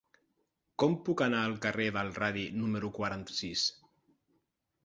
Com puc anar al carrer del Radi número quaranta-sis?